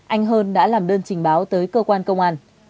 anh hơn đã làm đơn trình báo tới cơ quan công an